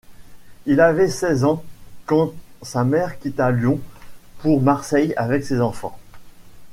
Il avait seize ans quand sa mère quitta Lyon pour Marseille avec ses enfants.